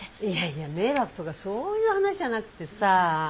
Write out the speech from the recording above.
いやいや迷惑とかそういう話じゃなくてさあ。